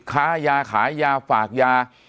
ค้ายาขายยาฝากยา